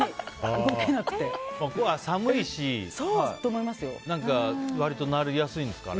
寒いし割となりやすいんですかね。